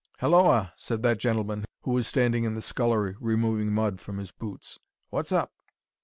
"Halloa!" said that gentleman, who was standing in the scullery removing mud from his boots. "What's up?"